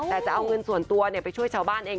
แต่จะเอาเงินส่วนตัวไปช่วยชาวบ้านเอง